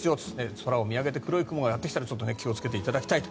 空を見上げて黒い雲がやってきたら気をつけていただきたいと。